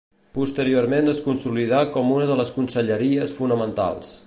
Posteriorment es consolidà com a una de les conselleries fonamentals.